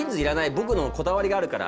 僕のこだわりがあるから。